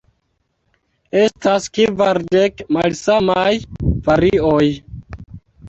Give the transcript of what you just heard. Estas kvardek malsamaj varioj.